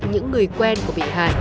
những người quen của bị hại